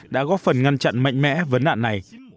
đã góp phần ngăn chặn mạnh mẽ vấn nạn này